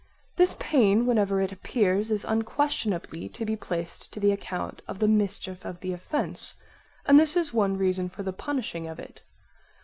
This pain, whenever it appears, is unquestionably to be placed to the account of the mischief of the offence, and this is one reason for the punishing of it.